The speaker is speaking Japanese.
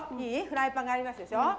フライパンがありますでしょう